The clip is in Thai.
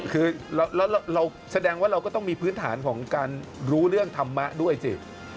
คือเราแสดงว่าเราก็ต้องมีพื้นฐานของการรู้เรื่องธรรมะด้วยสิ